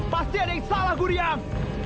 pasti ada yang salah guriang